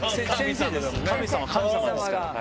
神様、神様ですから。